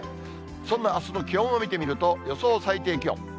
そんなあすの気温を見てみると、予想最低気温。